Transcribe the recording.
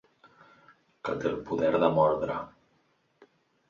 Que té el poder de moldre.